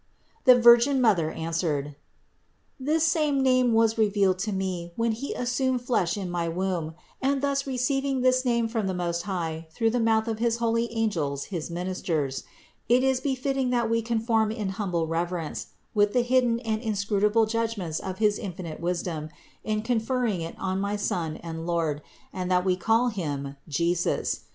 The Virgin Mother answered : "This same name was revealed to me when He assumed flesh in my womb; and thus re ceiving1 this name from the Most High through the mouth of his holy angels, his ministers, it is befitting that we conform in humble reverence with the hidden and inscrutable judgments of his infinite wisdom in confer ring it on my Son and Lord, and that we call Him JESUS.